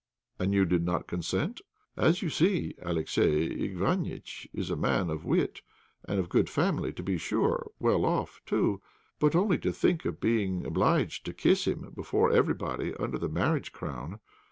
"And you did not consent?" "As you see, Alexey Iványtch is a man of wit, and of good family, to be sure, well off, too; but only to think of being obliged to kiss him before everybody under the marriage crown!